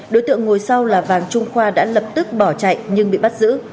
đối tượng ngồi sau là vàng trung khoa đã lập tức bỏ chạy nhưng bị bắt giữ